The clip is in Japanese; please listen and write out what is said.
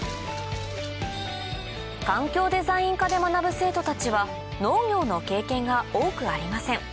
環境デザイン科で学ぶ生徒たちは農業の経験が多くありません